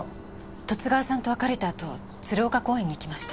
十津川さんと別れた後鶴岡公園に行きました。